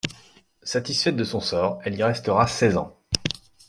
Satisfaite de son sort, elle y restera seize ans.